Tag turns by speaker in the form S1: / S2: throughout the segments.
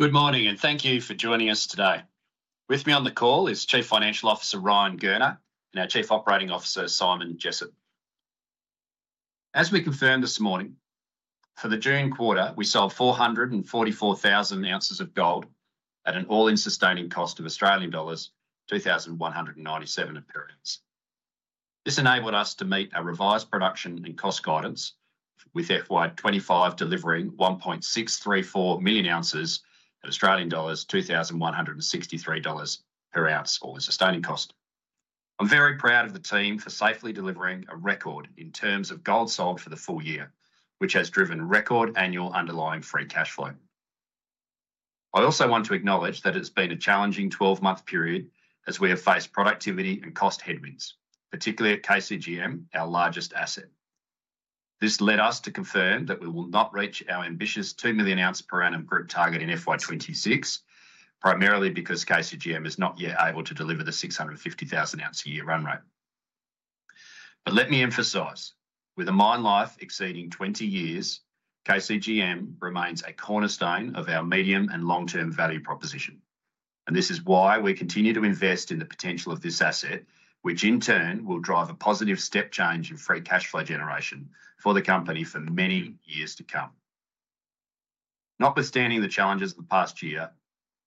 S1: Good morning, and thank you for joining us today. With me on the call is Chief Financial Officer Ryan Gurner, and our Chief Operating Officer Simon Jessop. As we confirmed this morning, for the June quarter, we sold 444,000 oz of gold at an all-in sustaining cost of Australian dollars 2,197 per oz. This enabled us to meet our revised production and cost guidance, with FY2025 delivering 1.634 million ozs at AUD 2,163 per oz all-in sustaining cost. I'm very proud of the team for safely delivering a record in terms of gold sold for the full year, which has driven record annual underlying free cash flow. I also want to acknowledge that it's been a challenging 12-month period as we have faced productivity and cost headwinds, particularly at KCGM, our largest asset. This led us to confirm that we will not reach our ambitious 2 million oz per annum group target in FY2026, primarily because KCGM is not yet able to deliver the 650,000 oz a year run rate. Let me emphasize, with a mine life exceeding 20 years, KCGM remains a cornerstone of our medium and long-term value proposition, and this is why we continue to invest in the potential of this asset, which in turn will drive a positive step change in free cash flow generation for the company for many years to come. Notwithstanding the challenges of the past year,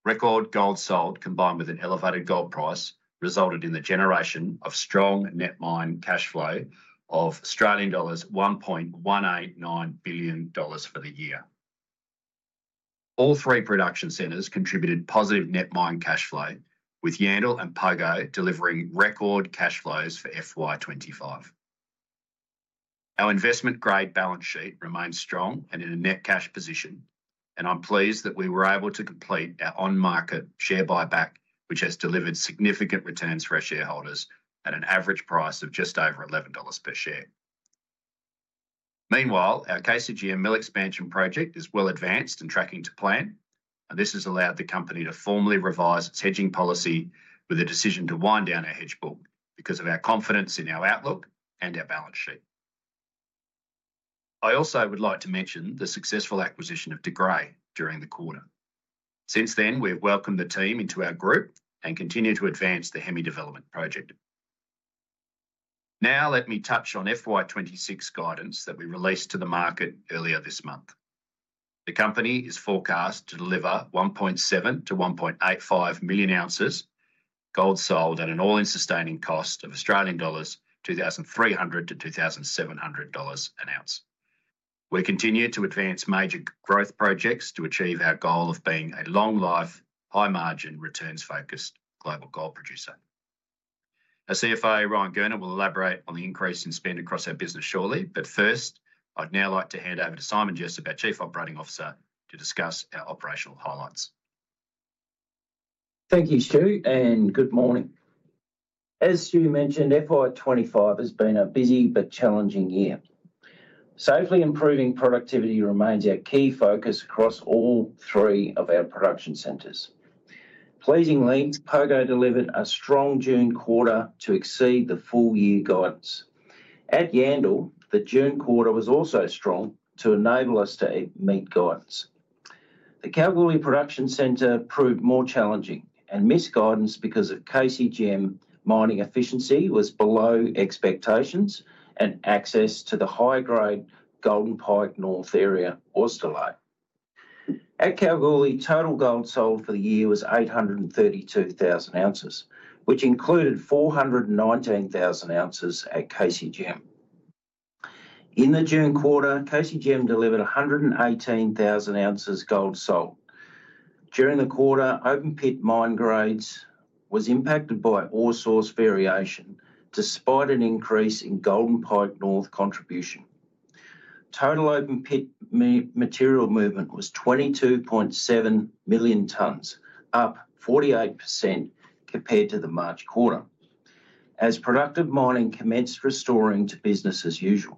S1: record gold sold, combined with an elevated gold price, resulted in the generation of strong net mine cash flow of Australian dollars 1.189 billion for the year. All three production centres contributed positive net mine cash flow, with Yandal and Pogo delivering record cash flows for FY2025. Our investment-grade balance sheet remains strong and in a net cash position, and I'm pleased that we were able to complete our on-market share buyback, which has delivered significant returns for our shareholders at an average price of just over $11 per share. Meanwhile, our KCGM Mill Expansion project is well advanced and tracking to plan, and this has allowed the company to formally revise its hedging policy with a decision to wind down our hedge book because of our confidence in our outlook and our balance sheet. I also would like to mention the successful acquisition of De Grey during the quarter. Since then, we have welcomed the team into our group and continue to advance the HEMI Development Project. Now, let me touch on FY2026 guidance that we released to the market earlier this month. The company is forecast to deliver 1.7-1.85 million ozs of gold sold at an all-in sustaining cost of Australian dollars 2,300-2,700 per oz. We continue to advance major growth projects to achieve our goal of being a long-life, high-margin returns-focused global gold producer. Our CFO, Ryan Gurner, will elaborate on the increase in spend across our business shortly, but first, I'd now like to hand over to Simon Jessop, our Chief Operating Officer, to discuss our operational highlights.
S2: Thank you, Stu, and good morning. As Stu mentioned, FY25 has been a busy but challenging year. Safely improving productivity remains our key focus across all three of our production centres. Pleasingly, Pogo delivered a strong June quarter to exceed the full-year guidance. At Yandal, the June quarter was also strong to enable us to meet guidance. The Kalgoorlie production centre proved more challenging and missed guidance because KCGM mining efficiency was below expectations and access to the high-grade Golden Pike North area was delayed. At Kalgoorlie, total gold sold for the year was 832,000 ozs, which included 419,000 ozs at KCGM. In the June quarter, KCGM delivered 118,000 ozs of gold sold. During the quarter, open-pit mine grades were impacted by ore source variation despite an increase in Golden Pike North contribution. Total open-pit material movement was 22.7 million tonnes, up 48% compared to the March quarter, as productive mining commenced restoring to business as usual.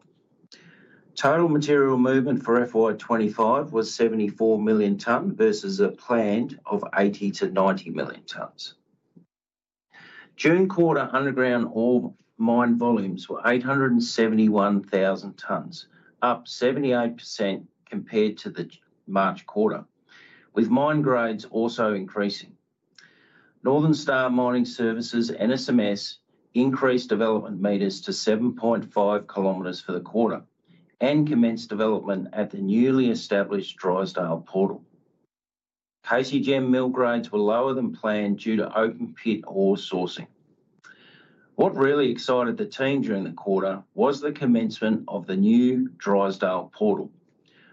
S2: Total material movement for FY25 was 74 million tonnes versus a planned 80-90 million tonnes. June quarter underground ore mine volumes were 871,000 tonnes, up 78% compared to the March quarter, with mine grades also increasing. Northern Star Mining Services (NSMS) increased development metres to 7.5 km for the quarter and commenced development at the newly established Drysdale Portal. KCGM mill grades were lower than planned due to open-pit ore sourcing. What really excited the team during the quarter was the commencement of the new Drysdale Portal.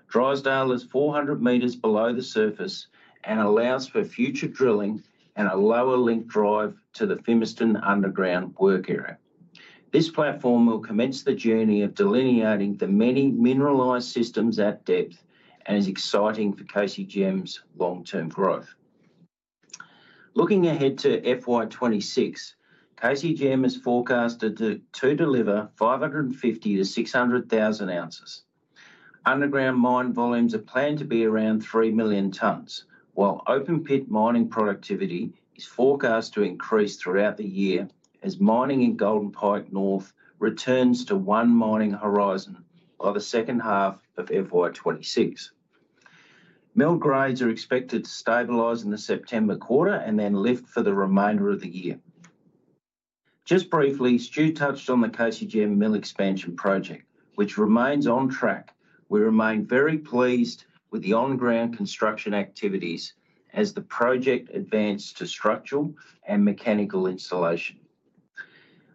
S2: Drysdale is 400 m below the surface and allows for future drilling and a lower link drive to the Fimiston underground work area. This platform will commence the journey of delineating the many mineralised systems at depth and is exciting for KCGM's long-term growth. Looking ahead to FY26, KCGM is forecast to deliver 550,000-600,000 ozs. Underground mine volumes are planned to be around 3 million tonnes, while open-pit mining productivity is forecast to increase throughout the year as mining in Golden Pike North returns to one mining horizon by the second half of FY26. Mill grades are expected to stabilise in the September quarter and then lift for the remainder of the year. Just briefly, Stu touched on the KCGM Mill Expansion project, which remains on track. We remain very pleased with the on-ground construction activities as the project advances to structural and mechanical installation.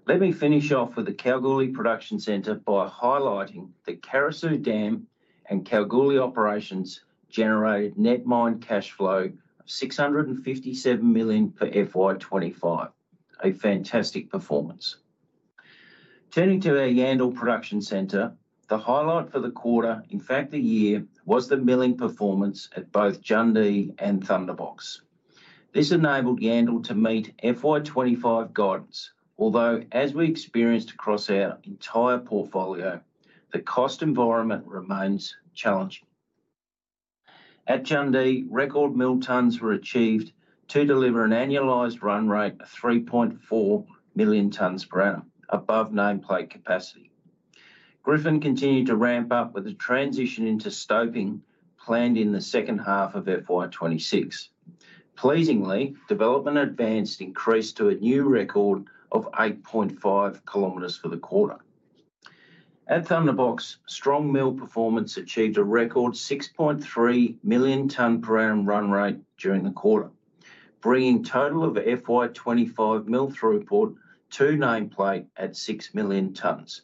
S2: Let me finish off with the Kalgoorlie production centre by highlighting the Carosue Dam and Kalgoorlie operations generated net mine cash flow of 657 million for FY25, a fantastic performance. Turning to our Yandal production centre, the highlight for the quarter, in fact the year, was the milling performance at both Jundee and Thunderbox. This enabled Yandal to meet FY25 guidance, although, as we experienced across our entire portfolio, the cost environment remains challenging. At Jundee, record mill tonnes were achieved to deliver an annualised run rate of 3.4 million tonnes per annum, above nameplate capacity. Griffin continued to ramp up with a transition into stoping planned in the second half of FY26. Pleasingly, development advanced increased to a new record of 8.5 km for the quarter. At Thunderbox, strong mill performance achieved a record 6.3 million tonnes per annum run rate during the quarter, bringing total FY25 mill throughput to nameplate at 6 million tonnes.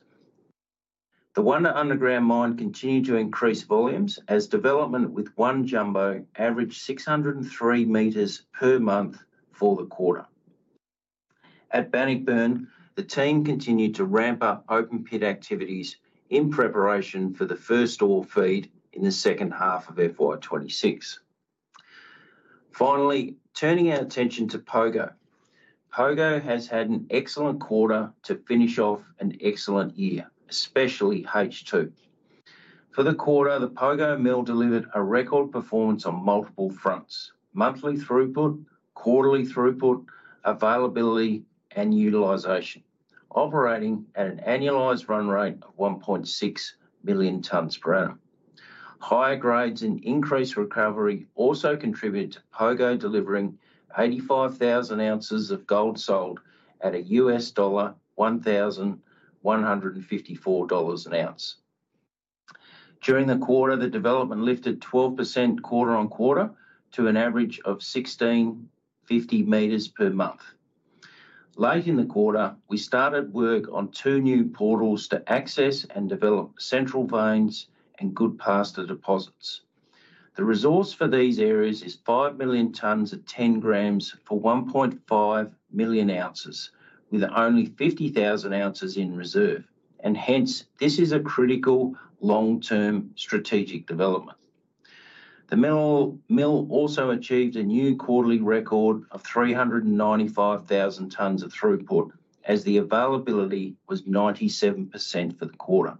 S2: The Wunda underground mine continued to increase volumes as development with one jumbo averaged 603 m per month for the quarter. At Bannockburn, the team continued to ramp up open-pit activities in preparation for the first ore feed in the second half of FY26. Finally, turning our attention to Pogo. Pogo has had an excellent quarter to finish off an excellent year, especially H2. For the quarter, the Pogo mill delivered a record performance on multiple fronts: monthly throughput, quarterly throughput, availability, and utilisation, operating at an annualised run rate of 1.6 million tonnes per annum. Higher grades and increased recovery also contributed to Pogo delivering 85,000 ozs of gold sold at a $1,154 an oz. During the quarter, the development lifted 12% quarter-on-quarter to an average of 1,650 m per month. Late in the quarter, we started work on two new portals to access and develop Central Veins and Goodpaster deposits. The resource for these areas is 5 million tonnes of 10 grams for 1.5 million ozs, with only 50,000 ozs in reserve, and hence this is a critical long-term strategic development. The mill also achieved a new quarterly record of 395,000 tonnes of throughput as the availability was 97% for the quarter.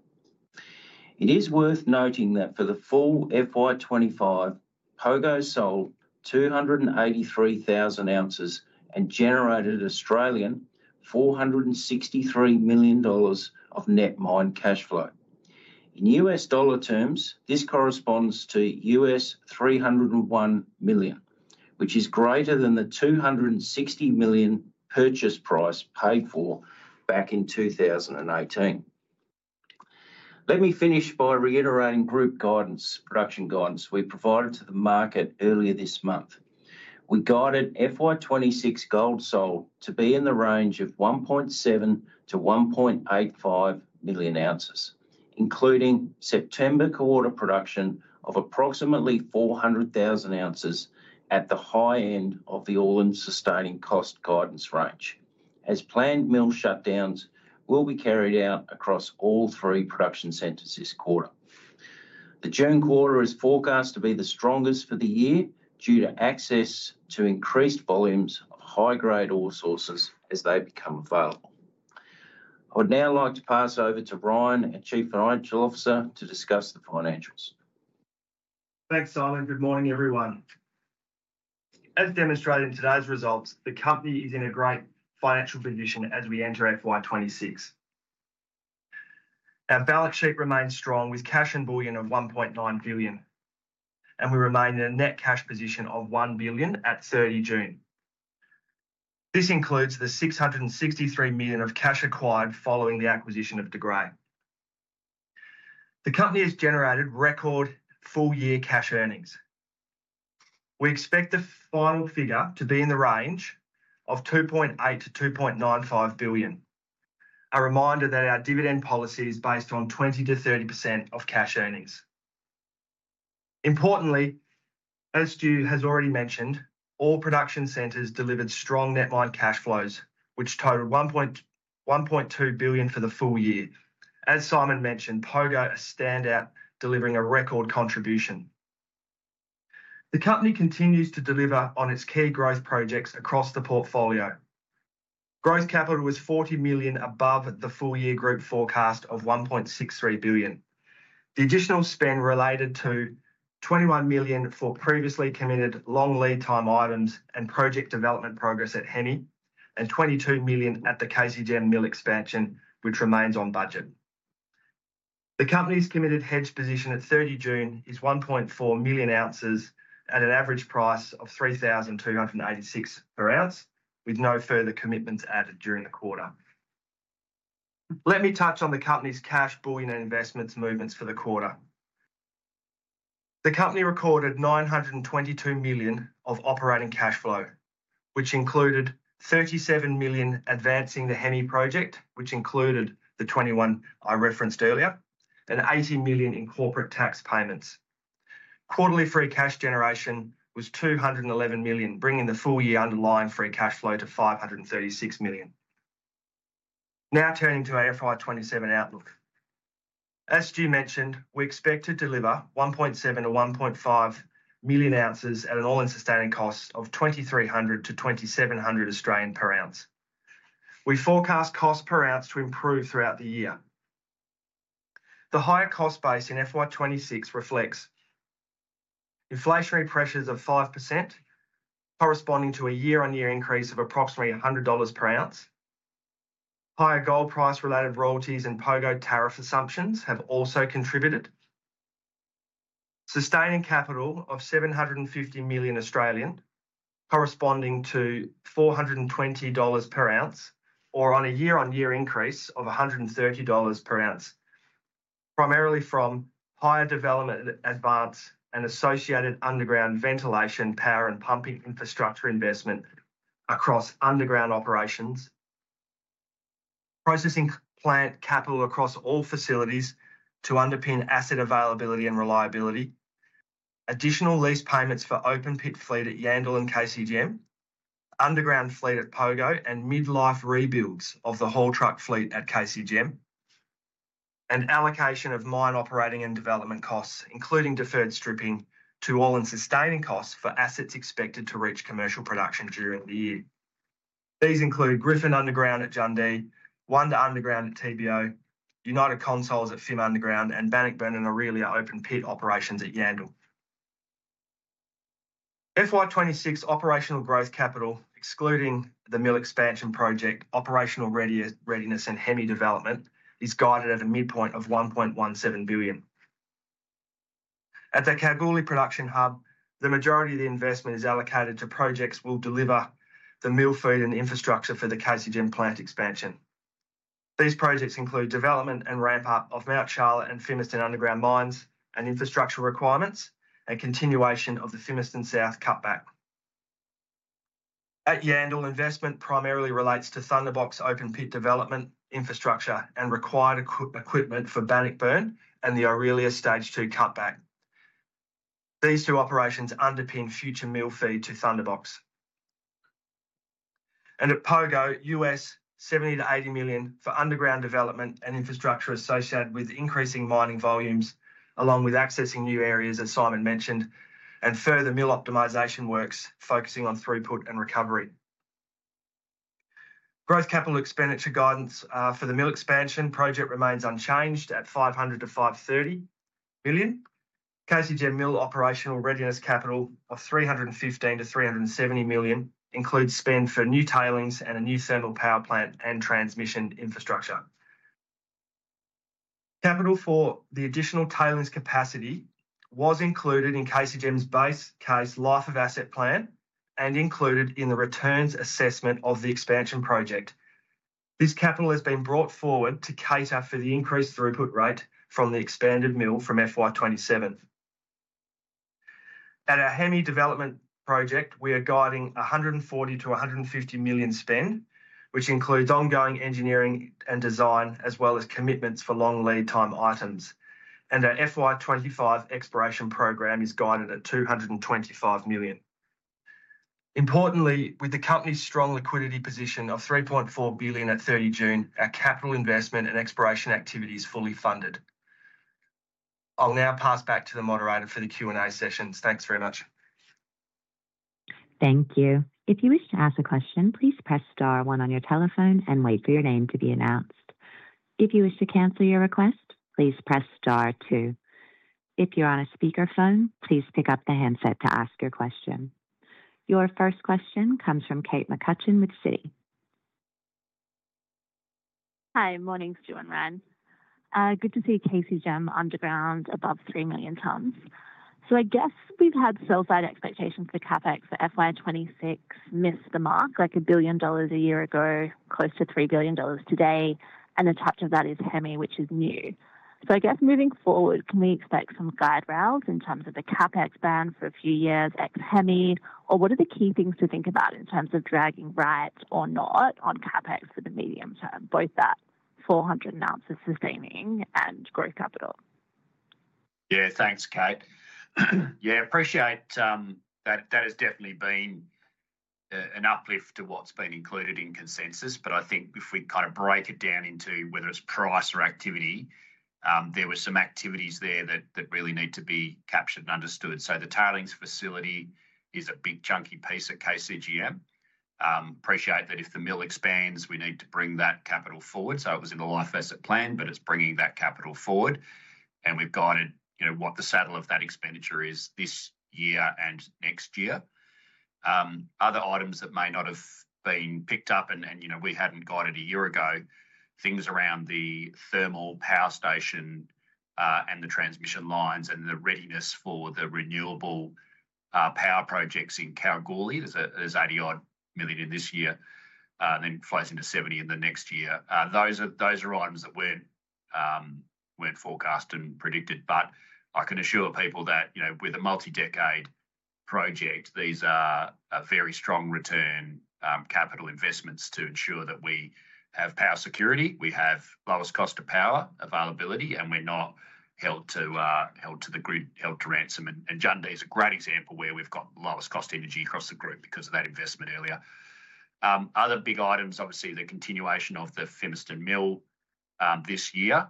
S2: It is worth noting that for the full FY25, Pogo sold 283,000 ozs and generated 463 million Australian dollars of net mine cash flow. In US dollar terms, this corresponds to $301 million, which is greater than the $260 million purchase price paid for back in 2018. Let me finish by reiterating group guidance, production guidance we provided to the market earlier this month. We guided FY26 gold sold to be in the range of 1.7-1.85 million ozs, including September quarter production of approximately 400,000 ozs at the high end of the all-in sustaining cost guidance range. As planned, mill shutdowns will be carried out across all three production centres this quarter. The June quarter is forecast to be the strongest for the year due to access to increased volumes of high-grade ore sources as they become available. I would now like to pass over to Ryan and Chief Financial Officer to discuss the financials.
S3: Thanks, Simon. Good morning, everyone. As demonstrated in today's results, the company is in a great financial position as we enter FY2026. Our balance sheet remains strong with cash in volume of 1.9 billion, and we remain in a net cash position of 1 billion at 30 June. This includes the 663 million of cash acquired following the acquisition of De Grey. The company has generated record full-year cash earnings. We expect the final figure to be in the range of 2.8 billion-2.95 billion. A reminder that our dividend policy is based on 20%-30% of cash earnings. Importantly, as Stu has already mentioned, all production centres delivered strong net mine cash flows, which totaled 1.2 billion for the full year. As Simon mentioned, Pogo is a standout, delivering a record contribution. The company continues to deliver on its key growth projects across the portfolio. Growth capital was 40 million above the full-year group forecast of 1.63 billion. The additional spend related to 21 million for previously committed long lead time items and project development progress at HEMI, and 22 million at the KCGM Mill Expansion, which remains on budget. The company's committed hedge position at 30 June is 1.4 million ozs at an average price of 3,286 per oz, with no further commitments added during the quarter. Let me touch on the company's cash, bullion, and investments movements for the quarter. The company recorded 922 million of operating cash flow, which included 37 million advancing the HEMI project, which included the 21 million I referenced earlier, and 80 million in corporate tax payments. Quarterly free cash generation was 211 million, bringing the full-year underlying free cash flow to 536 million. Now turning to our FY2027 outlook. As Stu mentioned, we expect to deliver 1.7-1.5 million ozs at an all-in sustaining cost of 2,300-2,700 per oz. We forecast cost per oz to improve throughout the year. The higher cost base in FY2026 reflects inflationary pressures of 5%, corresponding to a year-on-year increase of approximately 100 dollars per oz. Higher gold price-related royalties and Pogo tariff assumptions have also contributed. Sustaining capital of 750 million, corresponding to 420 dollars per oz, or a year-on-year increase of 130 dollars per oz, primarily from higher development advance and associated underground ventilation, power, and pumping infrastructure investment across underground operations. Processing plant capital across all facilities to underpin asset availability and reliability. Additional lease payments for open-pit fleet at Yandal and KCGM, underground fleet at Pogo, and mid-life rebuilds of the haul truck fleet at KCGM. An allocation of mine operating and development costs, including deferred stripping to all-in sustaining costs for assets expected to reach commercial production during the year. These include Griffin Underground at Jundee, Wunda Underground at Thunderbox, United Consols at Fimiston Underground, and Bannockburn and Orelia open-pit operations at Yandal. FY2026 operational growth capital, excluding the Mill Expansion project, operational readiness, and HEMI development, is guided at a midpoint of 1.17 billion. At the Kalgoorlie production hub, the majority of the investment is allocated to projects that will deliver the mill feed and infrastructure for the KCGM plant expansion. These projects include development and ramp-up of Mount Charlotte and Fimiston underground mines and infrastructure requirements and continuation of the Fimiston South cutback. At Yandal, investment primarily relates to Thunderbox open-pit development, infrastructure, and required equipment for Bannockburn and the Orelia Stage 2 cutback. These two operations underpin future mill feed to Thunderbox. At Pogo, $70-$80 million for underground development and infrastructure associated with increasing mining volumes, along with accessing new areas, as Simon mentioned, and further mill optimization works focusing on throughput and recovery. Gross capital expenditure guidance for the mill expansion project remains unchanged at 500million-530 million. KCGM mill operational readiness capital of 315-370 million includes spend for new tailings and a new thermal power plant and transmission infrastructure. Capital for the additional tailings capacity was included in KCGM's base case life of asset plan and included in the returns assessment of the expansion project. This capital has been brought forward to cater for the increased throughput rate from the expanded mill from FY2027. At our HEMI Development Project, we are guiding 140-150 million spend, which includes ongoing engineering and design, as well as commitments for long lead time items. Our FY2025 exploration program is guided at 225 million. Importantly, with the company's strong liquidity position of 3.4 billion at 30 June, our capital investment and exploration activity is fully funded. I'll now pass back to the moderator for the Q&A sessions. Thanks very much.
S4: Thank you. If you wish to ask a question, please press star one on your telephone and wait for your name to be annozd. If you wish to cancel your request, please press star two. If you're on a speakerphone, please pick up the handset to ask your question. Your first question comes from Kate McCutcheon with Citi.
S5: Hi, morning, Stu and Ryan. Good to see KCGM underground above 3 million tonnes. I guess we've had so far the expectations for CapEx for FY2026 miss the mark, like $1 billion a year ago, close to $3 billion today, and the top of that is HEMI, which is new. I guess moving forward, can we expect some guide rails in terms of the CapEx band for a few years ex HEMI, or what are the key things to think about in terms of dragging right or not on CapEx for the medium term, both that 400 annozd as sustaining and growth capital?
S1: Yeah, thanks, Kate. Yeah, I appreciate. That has definitely been an uplift to what's been included in consensus, but I think if we kind of break it down into whether it's price or activity, there were some activities there that really need to be captured and understood. The tailings facility is a big chunky piece of KCGM. I appreciate that if the mill expands, we need to bring that capital forward. It was in the life asset plan, but it's bringing that capital forward, and we've guided what the saddle of that expenditure is this year and next year. Other items that may not have been picked up, and we hadn't guided a year ago, are things around the thermal power station, the transmission lines, and the readiness for the renewable power projects in Kalgoorlie. in the next year. Those are items that were not forecast and predicted, but I can assure people that with a multi-decade project, these are very strong return capital investments to ensure that we have power security, we have lowest cost of power availability, and we're not held to the group, held to ransom. Jundee is a great example where we've got lowest cost energy across the group because of that investment earlier. Other big items, obviously the continuation of the Fimiston mill this year,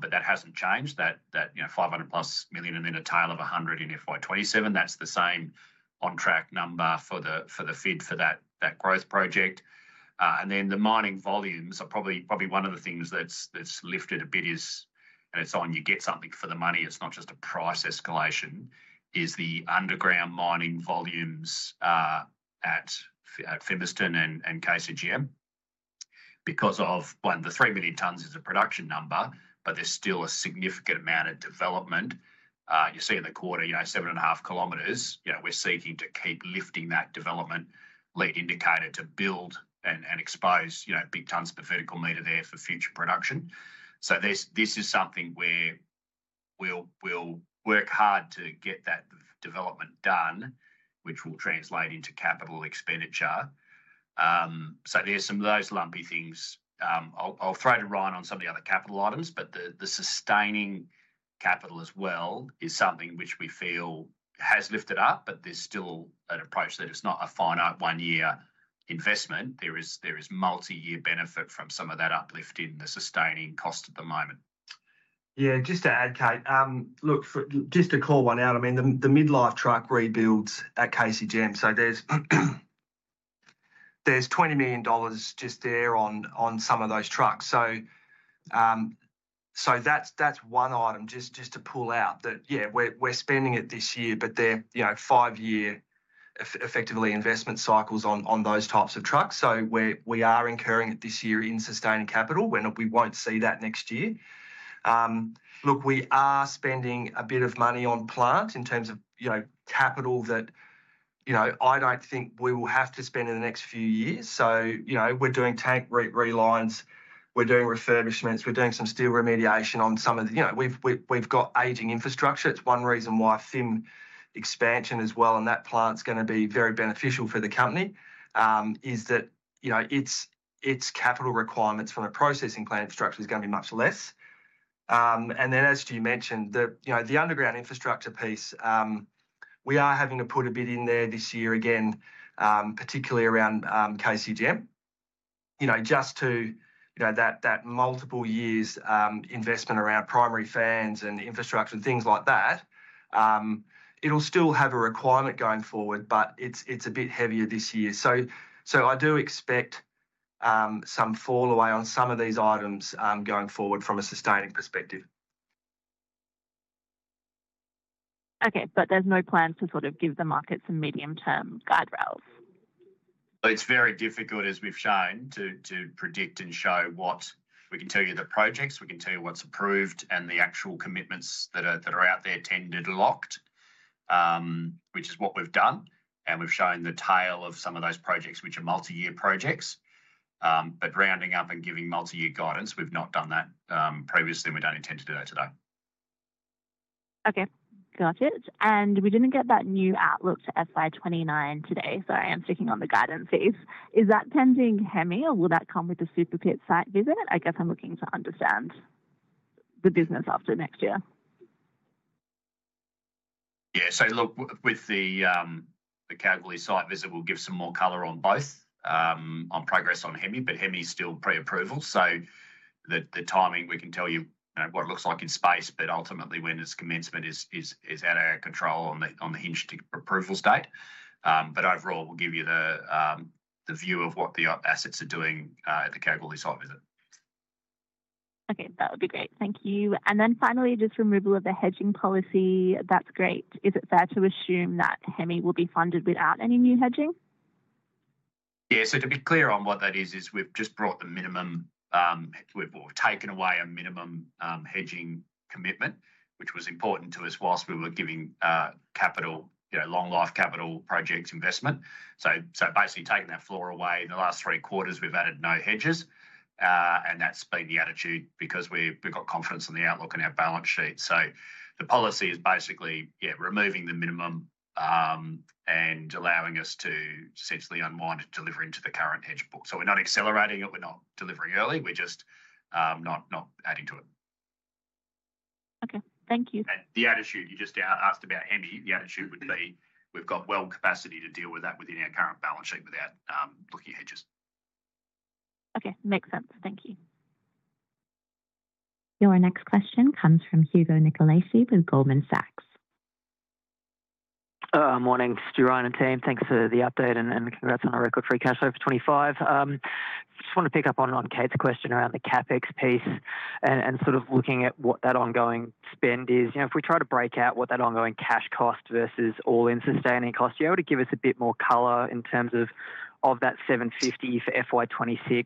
S1: but that hasn't changed, that 500+ million and then a tail of 100 million for 2027. That's the same on track number for the FID for that growth project. The mining volumes are probably one of the things that's lifted a bit, and it's on, you get something for the money. It's not just a price escalation, it's the underground mining volumes at Fimiston and KCGM. Because of one, the 3 million tonnes is a production number, but there's still a significant amount of development. You see in the quarter, 7.5 km, we're seeking to keep lifting that development lead indicator to build and expose big tonnes per vertical metre there for future production. This is something where we'll work hard to get that development done, which will translate into capital expenditure. There are some of those lumpy things. I'll throw to Ryan on some of the other capital items, but the sustaining capital as well is something which we feel has lifted up, but there's still an approach that it's not a finite one-year investment. There is multi-year benefit from some of that uplift in the sustaining cost at the moment.
S3: Yeah, just to add, Kate, look, just to call one out. I mean, the mid-life truck rebuilds at KCGM. There is 20 million dollars just there on some of those trucks. That is one item just to pull out that, yeah, we are spending it this year, but they are five-year effectively investment cycles on those types of trucks. We are incurring it this year in sustaining capital when we will not see that next year. Look, we are spending a bit of money on plant in terms of capital that I do not think we will have to spend in the next few years. We are doing tank relines, we are doing refurbishments, we are doing some steel remediation on some of the—we have got aging infrastructure. It is one reason why Fimiston expansion as well and that plant is going to be very beneficial for the company. Its capital requirements from a processing plant structure are going to be much less. As Stu mentioned, the underground infrastructure piece, we are having to put a bit in there this year again, particularly around KCGM. That multiple years investment around primary fans and infrastructure and things like that. It will still have a requirement going forward, but it is a bit heavier this year. I do expect some fall away on some of these items going forward from a sustaining perspective.
S5: Okay, but there's no plans to sort of give the market some medium-term guide rails.
S1: It's very difficult, as we've shown, to predict and show what we can tell you the projects, we can tell you what's approved, and the actual commitments that are out there tended locked. Which is what we've done. We've shown the tail of some of those projects, which are multi-year projects. Rounding up and giving multi-year guidance, we've not done that previously and we don't intend to do that today.
S5: Okay, got it. We did not get that new outlook to FY2029 today, so I am sticking on the guidance piece. Is that pending HEMI or will that come with the Super Pit site visit? I guess I am looking to understand the business after next year.
S1: Yeah, so look, with the Kalgoorlie site visit, we'll give some more color on both. On progress on HEMI, but HEMI is still pre-approval. The timing, we can tell you what it looks like in space, but ultimately when its commencement is out of our control on the hinge ticket approval state. Overall, we'll give you the view of what the assets are doing at the Kalgoorlie site visit.
S5: Okay, that would be great. Thank you. Finally, just removal of the hedging policy, that's great. Is it fair to assume that HEMI will be funded without any new hedging?
S1: Yeah, so to be clear on what that is, is we've just brought the minimum. We've taken away a minimum hedging commitment, which was important to us whilst we were giving capital, long-life capital project investment. Basically taking that floor away, in the last three quarters, we've added no hedges. That's been the attitude because we've got confidence in the outlook and our balance sheet. The policy is basically, yeah, removing the minimum. Allowing us to essentially unwind delivering to the current hedge book. We're not accelerating it, we're not delivering early, we're just not adding to it.
S5: Okay, thank you.
S1: The attitude you just asked about HEMI, the attitude would be we've got well capacity to deal with that within our current balance sheet without looking at hedges.
S5: Okay, makes sense. Thank you.
S4: Your next question comes from Hugo Nicolaci with Goldman Sachs.
S6: Morning, Stu and team. Thanks for the update and congrats on our record free cash flow for 2025. Just want to pick up on Kate's question around the CapEx piece and sort of looking at what that ongoing spend is. If we try to break out what that ongoing cash cost versus all-in sustaining cost, you're able to give us a bit more color in terms of that 750 for FY2026,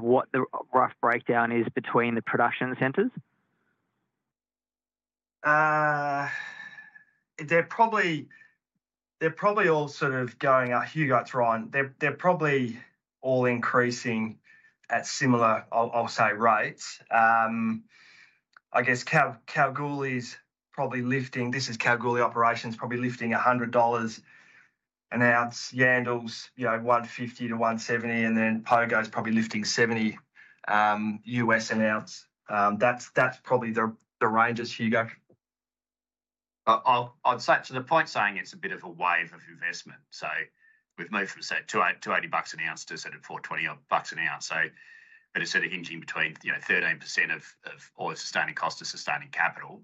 S6: what the rough breakdown is between the production centres?
S3: They're probably all sort of going up. Hugo, it's Ryan. They're probably all increasing at similar, I'll say, rates. I guess Kalgoorlie's probably lifting, this is Kalgoorlie operations, probably lifting 100 dollars an oz, Yandal's 150-170, and then Pogo's probably lifting $70 an oz. That's probably the ranges, Hugo.
S1: I'd say to the point saying it's a bit of a wave of investment. We've moved from, say, 280 bucks an oz to, say, 420 bucks an oz. It's sort of hinging between 13% of all-in sustaining cost to sustaining capital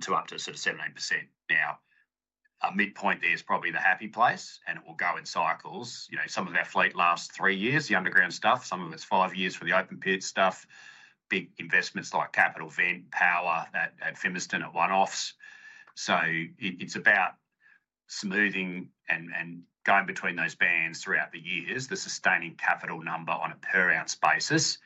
S1: to up to sort of 17% now. Midpoint there is probably the happy place, and it will go in cycles. Some of our fleet lasts three years, the underground stuff, some of it's five years for the open pit stuff. Big investments like capital vent, power at Fimiston are one-offs. It's about smoothing and going between those bands throughout the years. The sustaining capital number on a per-oz basis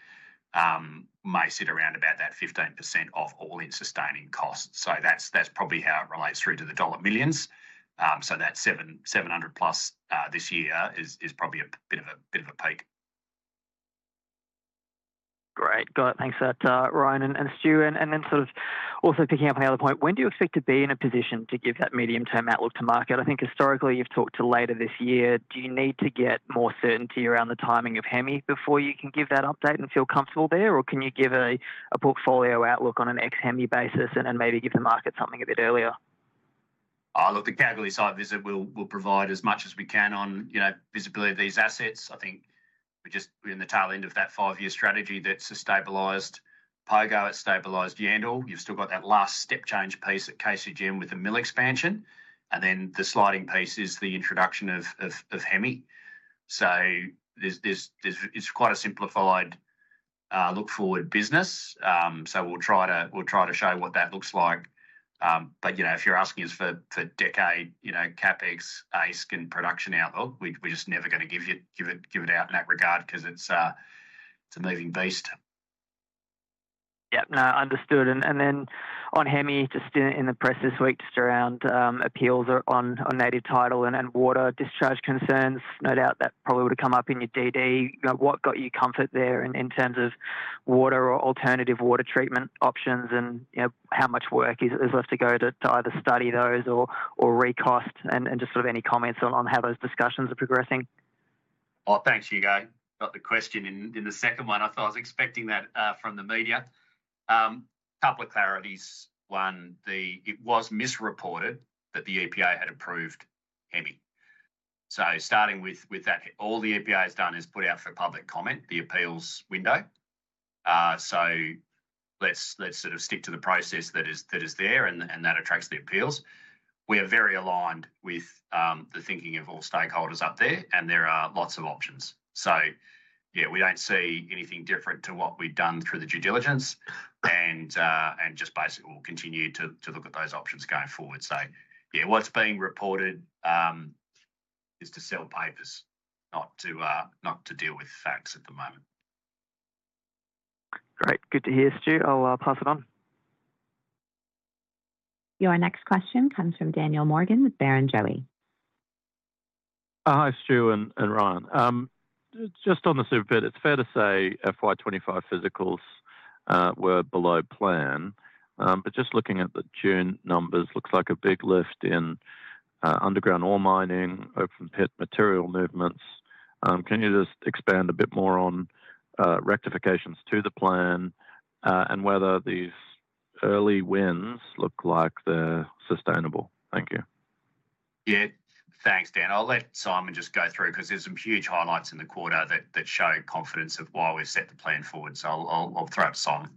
S1: may sit around about that 15% of all-in sustaining cost. That's probably how it relates through to the dollar millions. That 700+ million this year is probably a bit of a peak.
S6: Great. Got it. Thanks for that, Ryan and Stu. Then sort of also picking up on the other point, when do you expect to be in a position to give that medium-term outlook to market? I think historically you've talked to later this year. Do you need to get more certainty around the timing of HEMI before you can give that update and feel comfortable there, or can you give a portfolio outlook on an ex-HEMI basis and maybe give the market something a bit earlier?
S1: Look, the Kalgoorlie site visit will provide as much as we can on visibility of these assets. I think we're just in the tail end of that five-year strategy that's a stabilized Pogo, a stabilized Yandal. You've still got that last step change piece at KCGM with the mill expansion. The sliding piece is the introduction of HEMI. It's quite a simplified, look-forward business. We'll try to show what that looks like. If you're asking us for decade CapEx, AISC, and production outlook, we're just never going to give it out in that regard because it's a moving beast.
S6: Yep, no, understood. On HEMI, just in the press this week, just around appeals on native title and water discharge concerns, no doubt that probably would have come up in your DD. What got you comfort there in terms of water or alternative water treatment options and how much work is left to go to either study those or recost and just sort of any comments on how those discussions are progressing?
S1: Oh, thanks, Hugo. Got the question in the second one. I thought I was expecting that from the media. Couple of clarities. One, it was misreported that the EPA had approved HEMI. Starting with that, all the EPA has done is put out for public comment, the appeals window. Let's sort of stick to the process that is there and that attracts the appeals. We are very aligned with the thinking of all stakeholders up there and there are lots of options. Yeah, we do not see anything different to what we have done through the due diligence and just basically will continue to look at those options going forward. Yeah, what is being reported is to sell papers, not to deal with facts at the moment.
S6: Great. Good to hear, Stu. I'll pass it on.
S4: Your next question comes from Daniel Morgan with Barrenjoey.
S7: Hi, Stu and Ryan. Just on the Super Pit, it's fair to say FY2025 physicals were below plan. Just looking at the June numbers, looks like a big lift in underground ore mining, open pit material movements. Can you just expand a bit more on rectifications to the plan and whether these early wins look like they're sustainable? Thank you.
S1: Yeah, thanks, Dan. I'll let Simon just go through because there's some huge highlights in the quarter that show confidence of why we've set the plan forward. I'll throw it to Simon.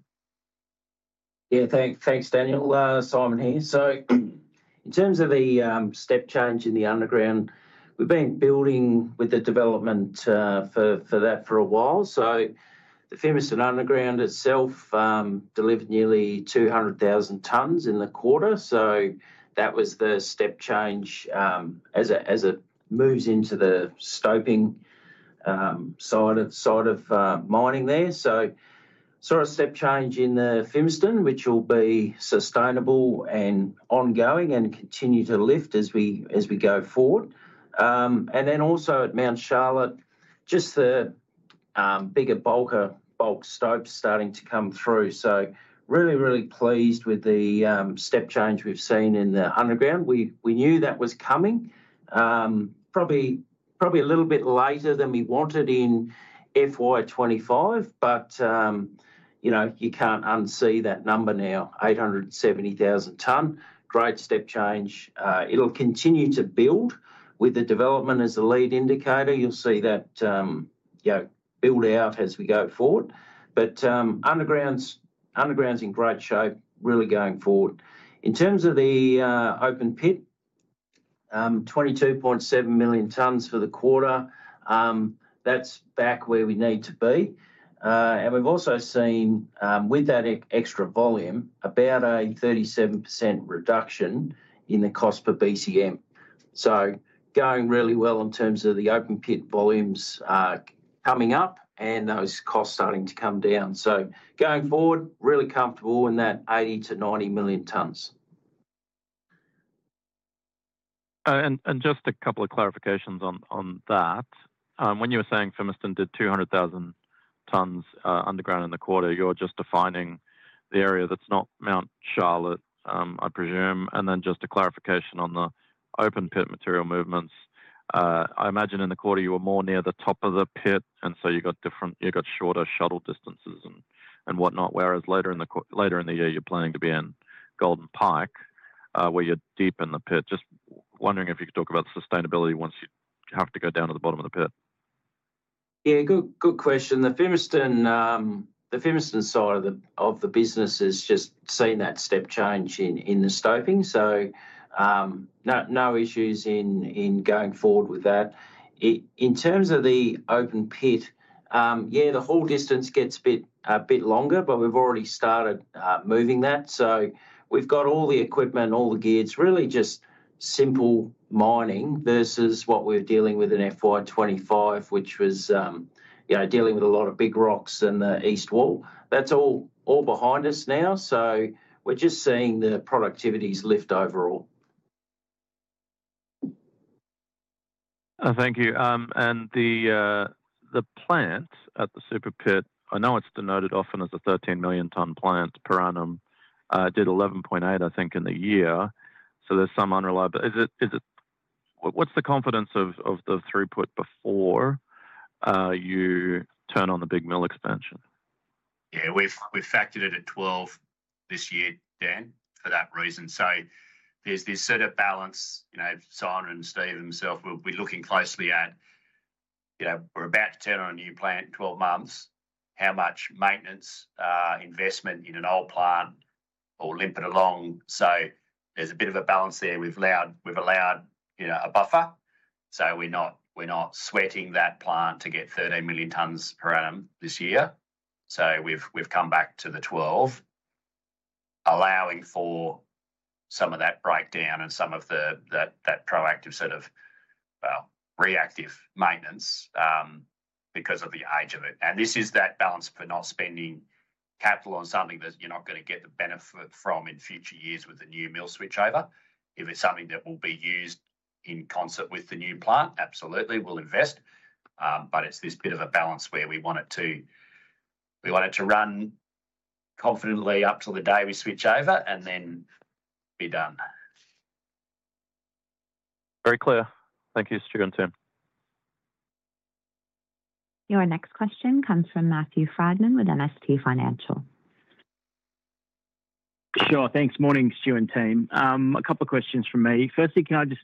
S2: Yeah, thanks, Daniel. Simon here. In terms of the step change in the underground, we've been building with the development for that for a while. The Fimiston underground itself delivered nearly 200,000 tonnes in the quarter. That was the step change as it moves into the stoping side of mining there. Sort of step change in the Fimiston, which will be sustainable and ongoing and continue to lift as we go forward. Also at Mount Charlotte, just the bigger bulk stopes starting to come through. Really, really pleased with the step change we've seen in the underground. We knew that was coming, probably a little bit later than we wanted in FY2025, but you can't unsee that number now, 870,000 tonnes. Great step change. It will continue to build with the development as a lead indicator. You'll see that build out as we go forward. Undergrounds in great shape really going forward. In terms of the open pit, 22.7 million tonnes for the quarter. That's back where we need to be. We've also seen with that extra volume, about a 37% reduction in the cost per BCM. Going really well in terms of the open pit volumes coming up and those costs starting to come down. Going forward, really comfortable in that 80-90 million tonnes.
S7: Just a couple of clarifications on that. When you were saying Fimiston did 200,000 tonnes underground in the quarter, you're just defining the area that's not Mount Charlotte, I presume. Just a clarification on the open pit material movements. I imagine in the quarter you were more near the top of the pit, and so you got shorter shuttle distances and whatnot. Whereas later in the year you're planning to be in Golden Pike, where you're deep in the pit. Just wondering if you could talk about the sustainability once you have to go down to the bottom of the pit.
S2: Yeah, good question. The Fimiston side of the business has just seen that step change in the stoping. No issues in going forward with that. In terms of the open pit, yeah, the whole distance gets a bit longer, but we've already started moving that. We've got all the equipment, all the gear, really just simple mining versus what we were dealing with in FY2025, which was dealing with a lot of big rocks and the east wall. That's all behind us now. We're just seeing the productivities lift overall.
S7: Thank you. The plant at the Super Pit, I know it's denoted often as a 13 million tonne plant per annum, did 11.8, I think, in the year. There is some unreliability. What's the confidence of the throughput before you turn on the big mill expansion?
S1: Yeah, we've factored it at 12 this year, Dan, for that reason. There is this sort of balance. Simon and Steve himself, we're looking closely at. We're about to turn on a new plant in 12 months. How much maintenance investment in an old plant, or limp it along. There is a bit of a balance there. We've allowed a buffer, so we're not sweating that plant to get 13 million tonnes per annum this year. We've come back to the 12, allowing for some of that breakdown and some of that proactive sort of reactive maintenance because of the age of it. This is that balance for not spending capital on something that you're not going to get the benefit from in future years with the new mill switchover. If it's something that will be used in concert with the new plant, absolutely, we'll invest. It is this bit of a balance where we want it to run confidently up to the day we switch over and then be done.
S7: Very clear. Thank you, Stu and team.
S4: Your next question comes from Matthew Frydman with MST Financial.
S8: Sure, thanks. Morning, Stu and team. A couple of questions from me. Firstly, can I just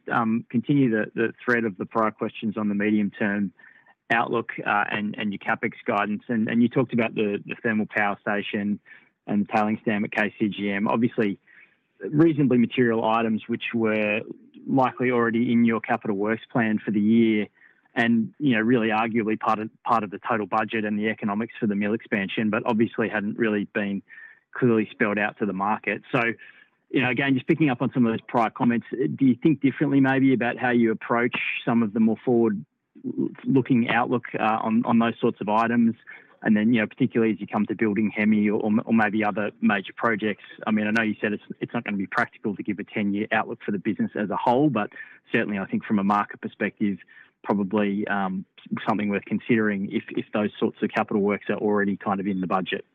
S8: continue the thread of the prior questions on the medium-term outlook and your CapEx guidance? You talked about the thermal power station and tailings dam at KCGM, obviously reasonably material items which were likely already in your capital works plan for the year and really arguably part of the total budget and the economics for the mill expansion, but obviously hadn't really been clearly spelled out to the market. Again, just picking up on some of those prior comments, do you think differently maybe about how you approach some of the more forward-looking outlook on those sorts of items? Then particularly as you come to building HEMI or maybe other major projects. I mean, I know you said it's not going to be practical to give a 10-year outlook for the business as a whole, but certainly I think from a market perspective, probably something worth considering if those sorts of capital works are already kind of in the budget.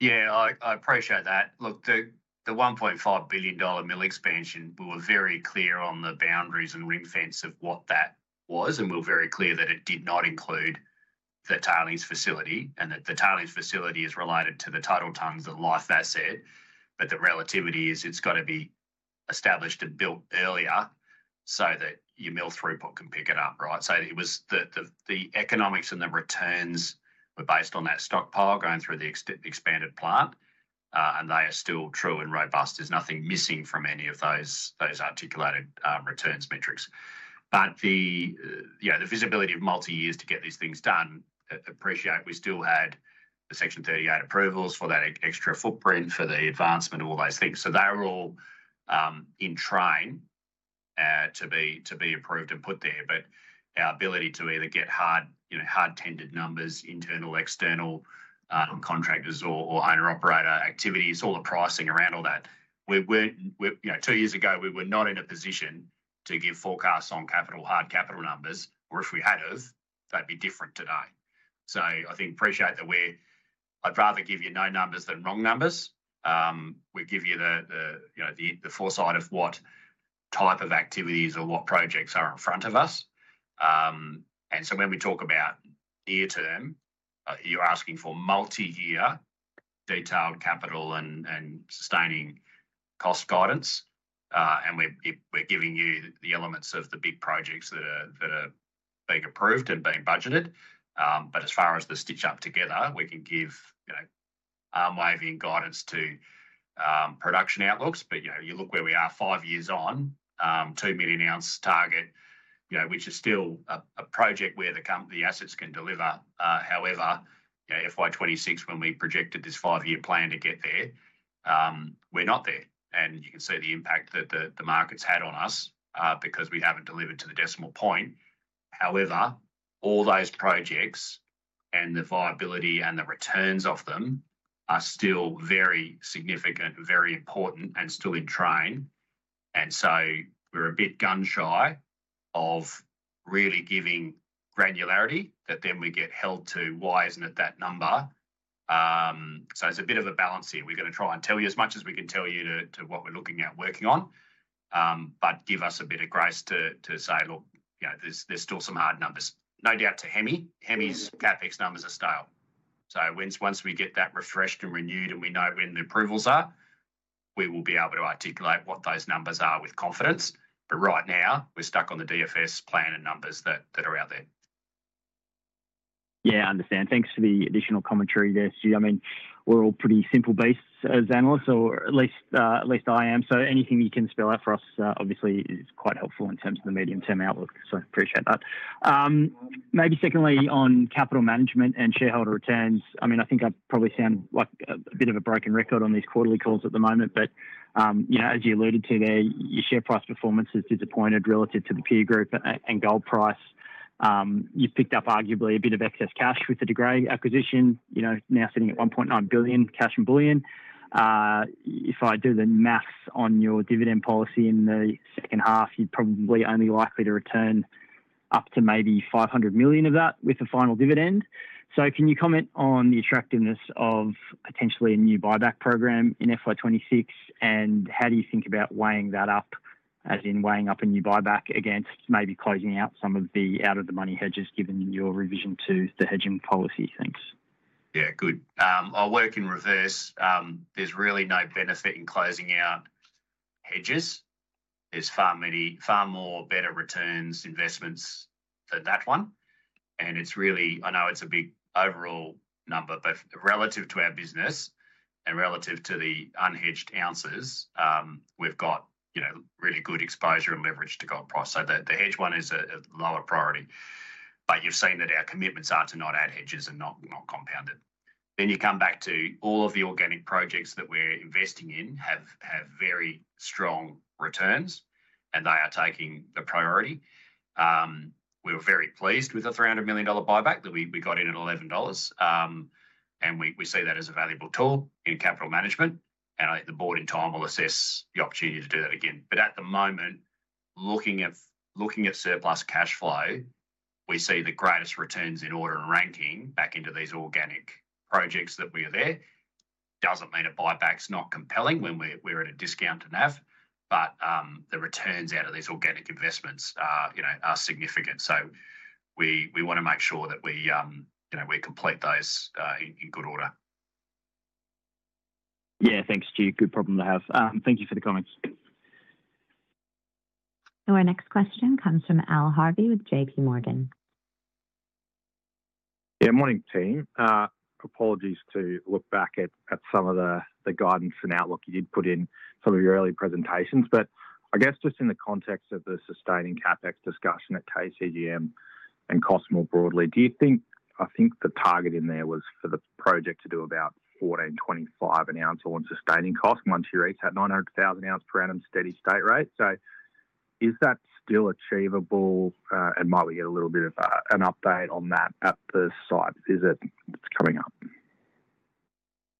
S1: Yeah, I appreciate that. Look, the 1.5 billion dollar mill expansion, we were very clear on the boundaries and ring fence of what that was, and we were very clear that it did not include the tailings facility and that the tailings facility is related to the total tonnes, the life asset, but the relativity is it's got to be established and built earlier so that your mill throughput can pick it up, right? The economics and the returns were based on that stockpile going through the expanded plant. They are still true and robust. There's nothing missing from any of those articulated returns metrics. The visibility of multi-years to get these things done, appreciate we still had the Section 38 approvals for that extra footprint for the advancement of all those things. They were all in train to be approved and put there. Our ability to either get hard-tendered numbers, internal, external, contractors, or owner-operator activities, all the pricing around all that. Two years ago, we were not in a position to give forecasts on hard capital numbers, or if we had, that'd be different today. I think appreciate that I'd rather give you no numbers than wrong numbers. We give you the foresight of what type of activities or what projects are in front of us. When we talk about near term, you're asking for multi-year detailed capital and sustaining cost guidance. We're giving you the elements of the big projects that are being approved and being budgeted. As far as the stitch-up together, we can give armwaving guidance to production outlooks. You look where we are five years on, 2 million oz target, which is still a project where the assets can deliver. However, FY2026, when we projected this five-year plan to get there, we're not there. You can see the impact that the market's had on us because we haven't delivered to the decimal point. However, all those projects and the viability and the returns of them are still very significant, very important, and still in train. We're a bit gun shy of really giving granularity that then we get held to, why isn't it that number? It's a bit of a balance here. We're going to try and tell you as much as we can tell you to what we're looking at working on. Give us a bit of grace to say, look, there's still some hard numbers. No doubt to HEMI. HEMI's CapEx numbers are stale. Once we get that refreshed and renewed and we know when the approvals are, we will be able to articulate what those numbers are with confidence. Right now, we're stuck on the DFS plan and numbers that are out there.
S8: Yeah, I understand. Thanks for the additional commentary there, Stu. I mean, we're all pretty simple beasts as analysts, or at least I am. So anything you can spell out for us, obviously, is quite helpful in terms of the medium-term outlook. I appreciate that. Maybe secondly, on capital management and shareholder returns. I mean, I think I probably sound like a bit of a broken record on these quarterly calls at the moment, but as you alluded to there, your share price performance has disappointed relative to the peer group and gold price. You've picked up arguably a bit of excess cash with the De Grey acquisition, now sitting at 1.9 billion cash and bullion. If I do the maths on your dividend policy in the second half, you're probably only likely to return up to maybe 500 million of that with the final dividend. Can you comment on the attractiveness of potentially a new buyback program in FY26? How do you think about weighing that up, as in weighing up a new buyback against maybe closing out some of the out-of-the-money hedges given your revision to the hedging policy? Thanks.
S1: Yeah, good. I'll work in reverse. There's really no benefit in closing out hedges. There's far more better returns, investments for that one. I know it's a big overall number, but relative to our business and relative to the unhedged ozs, we've got really good exposure and leverage to gold price. The hedge one is a lower priority. You've seen that our commitments are to not add hedges and not compound it. You come back to all of the organic projects that we're investing in have very strong returns, and they are taking the priority. We were very pleased with a 300 million dollar buyback that we got in at 11 dollars. We see that as a valuable tool in capital management. I think the board in time will assess the opportunity to do that again. At the moment, looking at surplus cash flow, we see the greatest returns in order and ranking back into these organic projects that we are there. Doesn't mean a buyback's not compelling when we're at a discount enough, but the returns out of these organic investments are significant. We want to make sure that we complete those in good order.
S8: Yeah, thanks, Stu. Good problem to have. Thank you for the comments.
S4: Our next question comes from Al Harvey with J.P. Morgan.
S9: Yeah, morning, team. Apologies to look back at some of the guidance and outlook you did put in some of your early presentations. I guess just in the context of the sustaining CapEx discussion at KCGM and cost more broadly, do you think, I think the target in there was for the project to do about [$1,425] an oz on sustaining cost once you reach that 900,000 oz per annum steady state rate? Is that still achievable? Might we get a little bit of an update on that at the site visit that's coming up?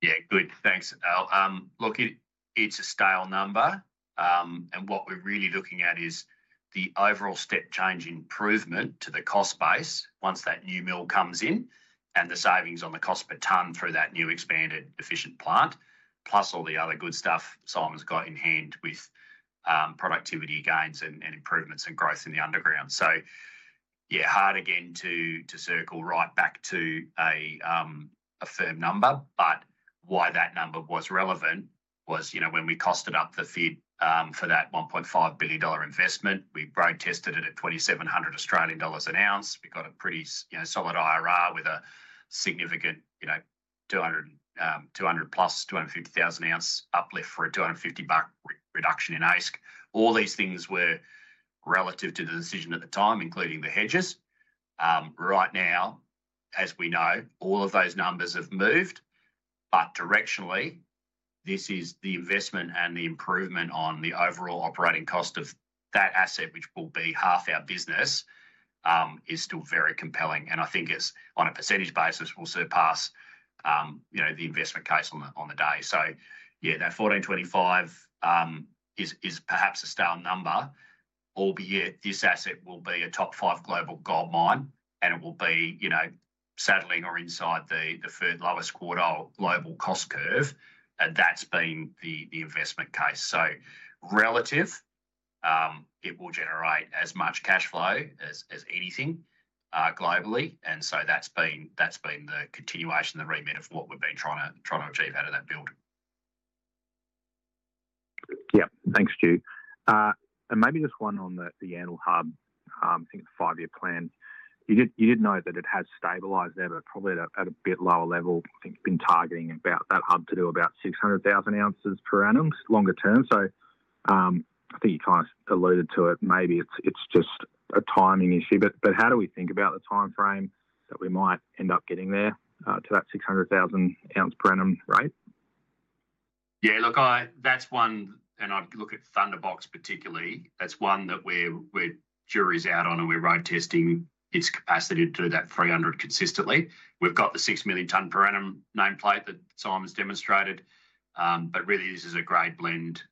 S1: Yeah, good. Thanks, Al. Look, it's a stale number. What we're really looking at is the overall step change improvement to the cost base once that new mill comes in and the savings on the cost per tonne through that new expanded efficient plant, plus all the other good stuff Simon's got in hand with productivity gains and improvements and growth in the underground. Yeah, hard again to circle right back to a firm number. Why that number was relevant was when we costed up the feed for that 1.5 billion dollar investment, we road tested it at 2,700 Australian dollars an oz. We got a pretty solid IRR with a significant 200,000+, 250,000 oz uplift for a 250 reduction in AISC. All these things were relative to the decision at the time, including the hedges. Right now, as we know, all of those numbers have moved. Directionally, this is the investment and the improvement on the overall operating cost of that asset, which will be half our business, is still very compelling. I think on a percentage basis, we'll surpass the investment case on the day. That [1,425] is perhaps a stale number. Albeit, this asset will be a top five global gold mine, and it will be saddling or inside the third lowest quarter global cost curve. That's been the investment case. Relative, it will generate as much cash flow as anything globally. That's been the continuation, the remit of what we've been trying to achieve out of that build.
S9: Yeah, thanks, Stu. Maybe just one on the Yandal hub. I think it's a five-year plan. You did note that it has stabilized there, but probably at a bit lower level. I think you've been targeting about that hub to do about 600,000 ozs per annum longer term. I think you kind of alluded to it. Maybe it's just a timing issue. How do we think about the timeframe that we might end up getting there to that 600,000 oz per annum rate?
S1: Yeah, look, that's one, and I'd look at Thunderbox particularly. That's one that we're, jury's out on, and we're road testing its capacity to do that 300 consistently. We've got the 6 million tonne per annum nameplate that Simon's demonstrated. Really, this is a great blend.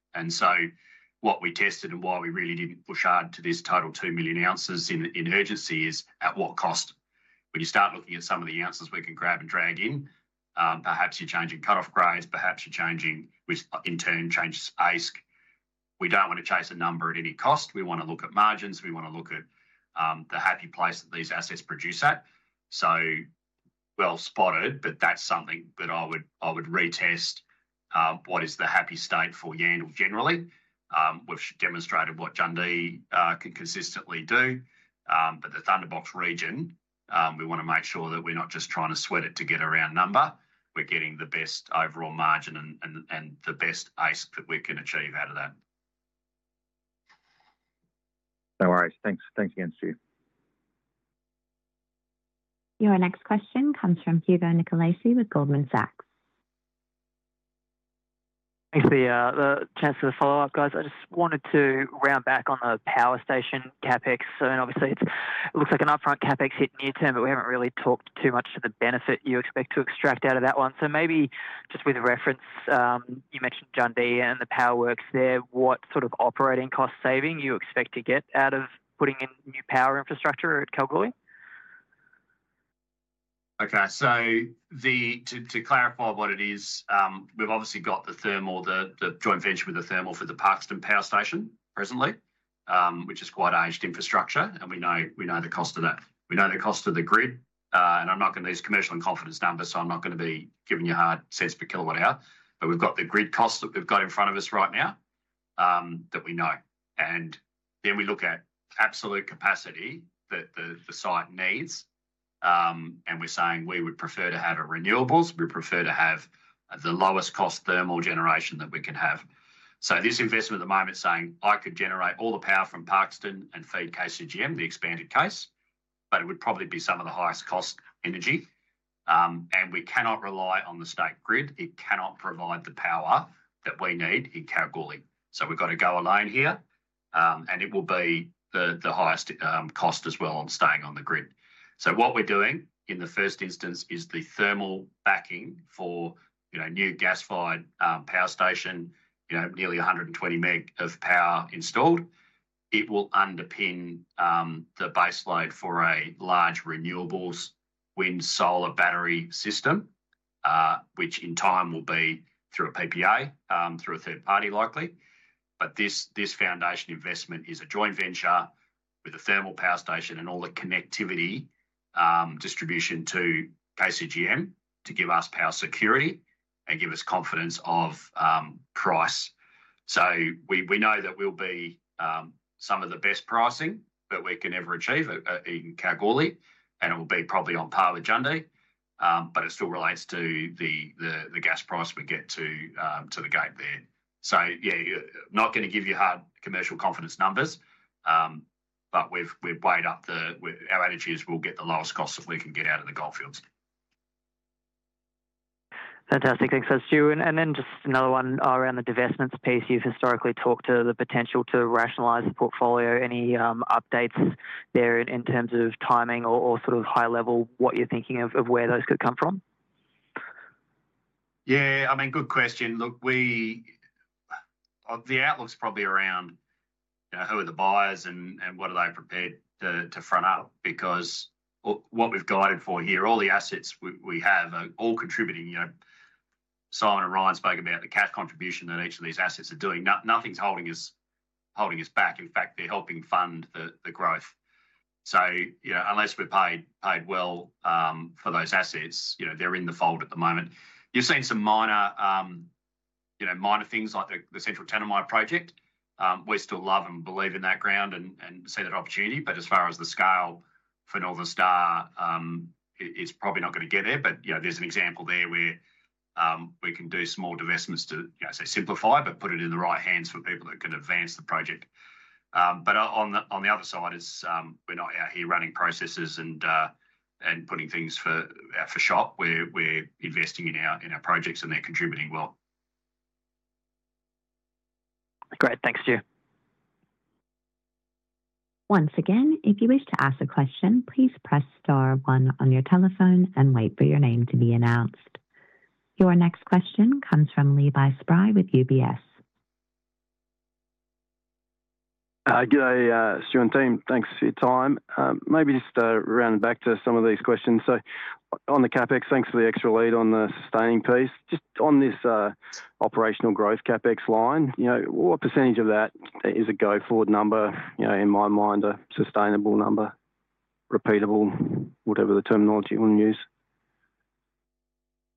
S1: What we tested and why we really didn't push hard to this total 2 million ozs in urgency is at what cost? When you start looking at some of the ozs we can grab and drag in, perhaps you're changing cut-off grades, perhaps you're changing, in turn, changes AISC. We don't want to chase a number at any cost. We want to look at margins. We want to look at the happy place that these assets produce at. Well spotted, but that's something that I would retest. What is the happy state for Yandal generally? We've demonstrated what Jundee can consistently do. The Thunderbox region, we want to make sure that we're not just trying to sweat it to get a round number. We're getting the best overall margin and the best AISC that we can achieve out of that.
S9: No worries. Thanks again, Stu.
S4: Your next question comes from Hugo Nicolaci with Goldman Sachs.
S6: Thanks for the chance to follow up, guys. I just wanted to round back on the power station CapEx. Obviously, it looks like an upfront CapEx hit near term, but we have not really talked too much to the benefit you expect to extract out of that one. Maybe just with reference, you mentioned Jundee and the power works there, what sort of operating cost saving do you expect to get out of putting in new power infrastructure at Kalgoorlie?
S1: Okay, so. To clarify what it is, we've obviously got the thermal, the joint venture with the thermal for the Parkston power station presently, which is quite aged infrastructure. We know the cost of that. We know the cost of the grid. I'm not going to use commercial and confidence numbers, so I'm not going to be giving you hard cents per kWh. We've got the grid costs that we've got in front of us right now. That we know. Then we look at absolute capacity that the site needs. We're saying we would prefer to have renewables. We prefer to have the lowest cost thermal generation that we can have. This investment at the moment is saying I could generate all the power from Parkston and feed KCGM, the expanded case, but it would probably be some of the highest cost energy. We cannot rely on the state grid. It cannot provide the power that we need in Kalgoorlie. We've got to go alone here. It will be the highest cost as well on staying on the grid. What we're doing in the first instance is the thermal backing for a new gas-fired power station, nearly 120 meg of power installed. It will underpin the base load for a large renewables wind solar battery system, which in time will be through a PPA, through a third party likely. This foundation investment is a joint venture with a thermal power station and all the connectivity, distribution to KCGM to give us power security and give us confidence of price. We know that we'll be some of the best pricing that we can ever achieve in Kalgoorlie. It will be probably on par with Jundee. It still relates to the gas price we get to the gate there. Yeah, not going to give you hard commercial confidence numbers. We've weighed up the our energy is we'll get the lowest cost that we can get out of the goldfields.
S6: Fantastic. Thanks for that, Stu. Just another one around the divestments piece. You've historically talked to the potential to rationalize the portfolio. Any updates there in terms of timing or sort of high level what you're thinking of where those could come from?
S1: Yeah, I mean, good question. Look. The outlook's probably around. Who are the buyers and what are they prepared to front up? Because what we've guided for here, all the assets we have are all contributing. Simon and Ryan spoke about the cash contribution that each of these assets are doing. Nothing's holding us back. In fact, they're helping fund the growth. Unless we're paid well for those assets, they're in the fold at the moment. You've seen some minor things like the Central Tanami project. We still love and believe in that ground and see that opportunity. As far as the scale for Northern Star, it's probably not going to get there. There's an example there where we can do small divestments to, say, simplify, but put it in the right hands for people that can advance the project. On the other side, we're not out here running processes and putting things for shop. We're investing in our projects and they're contributing well.
S6: Great. Thanks, Stu.
S4: Once again, if you wish to ask a question, please press star one on your telephone and wait for your name to be annozd. Your next question comes from Levi Spry with UBS.
S10: Hi, Stu and team. Thanks for your time. Maybe just rounding back to some of these questions. On the CapEx, thanks for the extra lead on the sustaining piece. On this operational growth CapEx line, what percentage of that is a go-forward number in my mind, a sustainable number? Repeatable, whatever the terminology you want to use.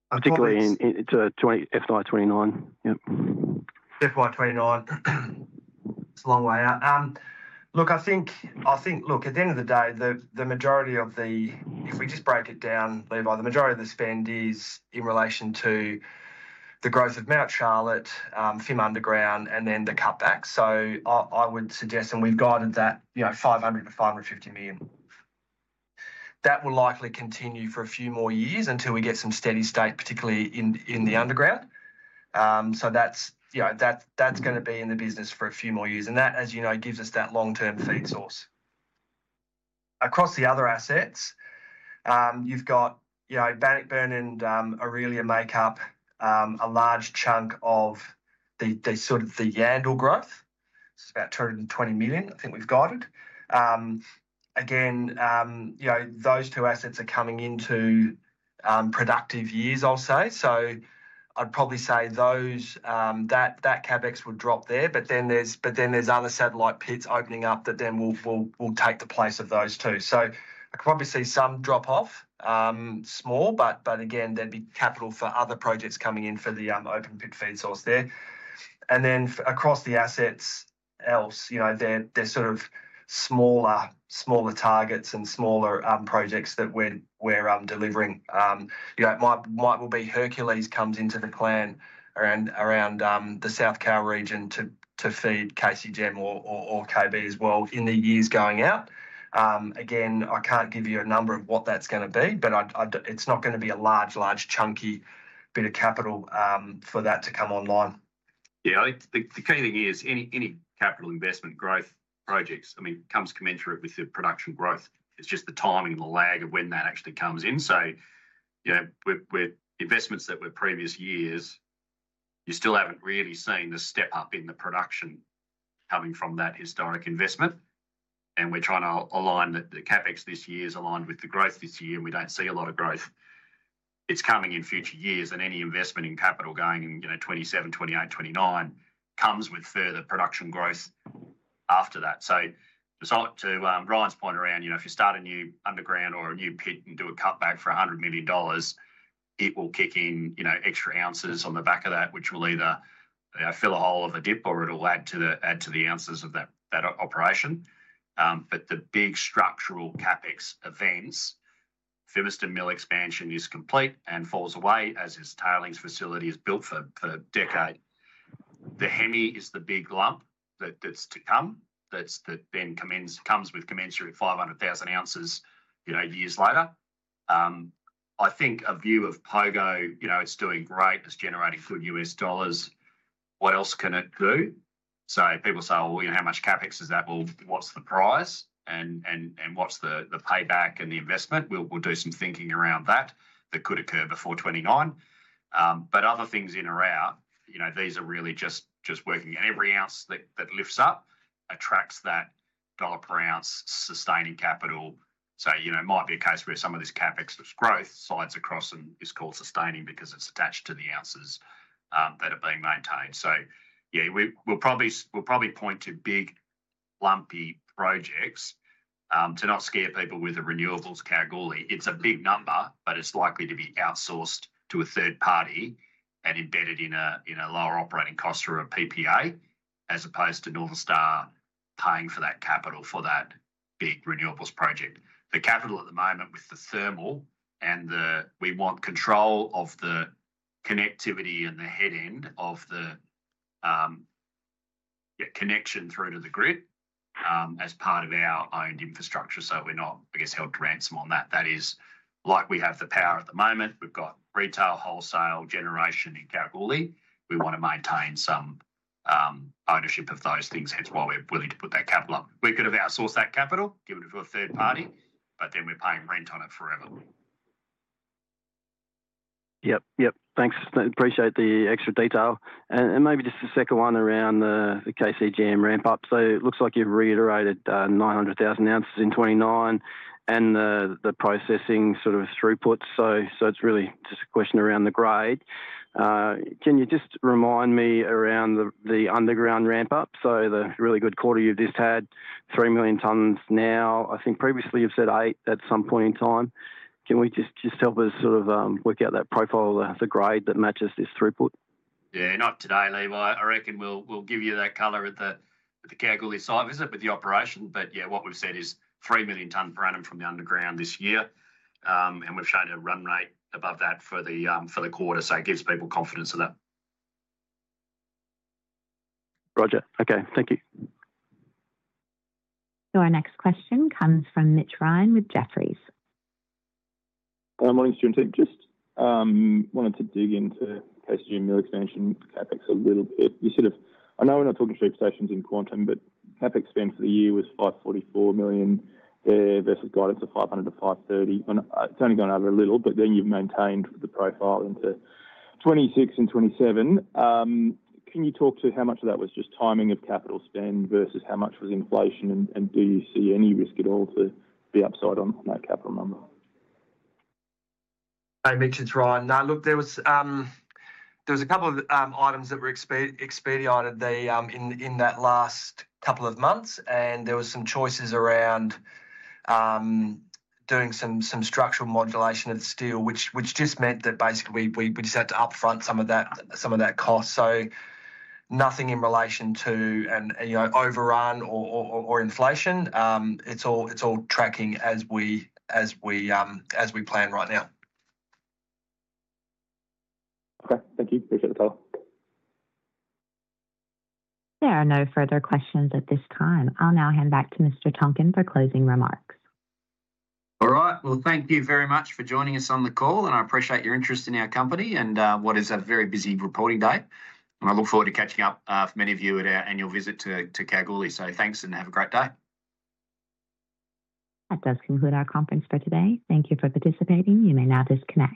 S10: Particularly in FY2029. Yep.
S3: FY2029. It's a long way out. Look, I think, look, at the end of the day, the majority of the, if we just break it down, Levi, the majority of the spend is in relation to the growth of Mount Charlotte, Fimiston Underground, and then the cutback. I would suggest, and we've guided that 500 million-550 million. That will likely continue for a few more years until we get some steady state, particularly in the underground. That's going to be in the business for a few more years, and that, as you know, gives us that long-term feed source. Across the other assets, you've got Bannockburn and Orelia make up a large chunk of sort of the Yandal growth. It's about 220 million, I think we've guided. Again, those two assets are coming into productive years, I'll say. I'd probably say that CapEx would drop there, but then there's other satellite pits opening up that then will take the place of those two. I can probably see some drop off, small, but again, there'd be capital for other projects coming in for the open pit feed source there. Across the assets else, they're sort of smaller targets and smaller projects that we're delivering. It might well be Hercules comes into the plan around the South Kalgoorlie region to feed KCGM or KB as well in the years going out. I can't give you a number of what that's going to be, but it's not going to be a large, large chunky bit of capital for that to come online.
S1: I think the key thing is any capital investment growth projects, I mean, comes commensurate with the production growth. It's just the timing and the lag of when that actually comes in. With investments that were previous years, you still haven't really seen the step up in the production coming from that historic investment. We're trying to align that the CapEx this year is aligned with the growth this year, and we don't see a lot of growth. It's coming in future years, and any investment in capital going in 2027, 2028, 2029 comes with further production growth after that. To Ryan's point around, if you start a new underground or a new pit and do a cutback for 100 million dollars, it will kick in extra ozs on the back of that, which will either fill a hole of a dip or it'll add to the ozs of that operation. The big structural CapEx events, Fimiston Mill expansion is complete and falls away as is tailings facility is built for a decade. The HEMI Development Project is the big lump that's to come that then comes with commensurate 500,000 ozs years later. I think a view of Pogo, it's doing great. It's generating good US dollars. What else can it do? People say, how much CapEx is that? What's the price? What's the payback and the investment? We'll do some thinking around that that could occur before 2029. Other things in or out, these are really just working. Every oz that lifts up attracts that dollar per oz sustaining capital. It might be a case where some of this CapEx growth slides across and is called sustaining because it's attached to the ozs that are being maintained. Yeah, we'll probably point to big lumpy projects. To not scare people with the renewables Kalgoorlie. It's a big number, but it's likely to be outsourced to a third party and embedded in a lower operating cost through a PPA as opposed to Northern Star paying for that capital for that big renewables project. The capital at the moment with the thermal and the we want control of the connectivity and the head end of the connection through to the grid as part of our owned infrastructure. We're not, I guess, held to ransom on that. That is like we have the power at the moment. We've got retail, wholesale, generation in Kalgoorlie. We want to maintain some ownership of those things. That's why we're willing to put that capital up. We could have outsourced that capital, given it to a third party, but then we're paying rent on it forever.
S10: Yep, yep. Thanks. Appreciate the extra detail. Maybe just a second one around the KCGM ramp-up. It looks like you've reiterated 900,000 ozs in 2029 and the processing sort of throughput. It's really just a question around the grade. Can you just remind me around the underground ramp-up? The really good quarter you've just had, 3 million tonnes now. I think previously you've said 8 at some point in time. Can we just help us sort of work out that profile, the grade that matches this throughput?
S1: Yeah, not today, Levi. I reckon we'll give you that color at the Kalgoorlie site visit with the operation. What we've said is 3 million ton per annum from the underground this year. We've shown a run rate above that for the quarter. It gives people confidence of that.
S10: Roger. Okay. Thank you.
S4: Your next question comes from Mitch Ryan with Jefferies.
S11: Hi, morning, Stu and team. Just wanted to dig into KCGM mill expansion CapEx a little bit. You sort of, I know we're not talking shape stations in quantum, but CapEx spend for the year was 544 million there versus guidance of 500 million-530 million. It's only gone up a little, but then you've maintained the profile into 2026 and 2027. Can you talk to how much of that was just timing of capital spend versus how much was inflation? Do you see any risk at all to be upside on that capital number?
S3: Hi Mitch it's Ryan. No, look, there was a couple of items that were expedited in that last couple of months. And there were some choices around doing some structural modulation of steel, which just meant that basically we just had to upfront some of that cost. So nothing in relation to overrun or inflation. It's all tracking as we plan right now.
S12: Okay. Thank you. Appreciate the call.
S4: There are no further questions at this time. I'll now hand back to Mr. Tonkin for closing remarks.
S1: All right. Thank you very much for joining us on the call. I appreciate your interest in our company and what is a very busy reporting day. I look forward to catching up for many of you at our annual visit to Kalgoorlie. Thanks and have a great day.
S4: That does conclude our conference for today. Thank you for participating. You may now disconnect.